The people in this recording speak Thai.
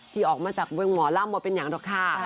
ที่ออกมาจากเวลาหมดเป็นอย่างต่อค่ะ